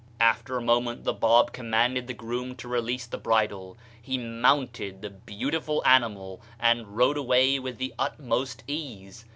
After a moment the Bab commanded the groom to release the bridle. He mounted the beautiful animal and rode away with the utmost ease.